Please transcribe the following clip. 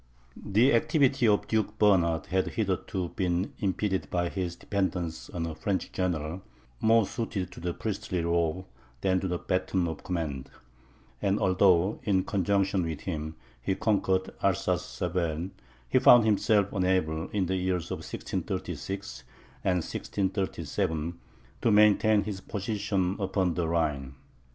The activity of Duke Bernard had hitherto been impeded by his dependence on a French general, more suited to the priestly robe, than to the baton of command; and although, in conjunction with him, he conquered Alsace Saverne, he found himself unable, in the years 1636 and 1637, to maintain his position upon the Rhine.